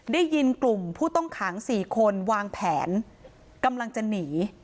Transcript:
ได้ยินกลุ่มผู้ต้องขัง๔คนวางแผนกำลังจะหนี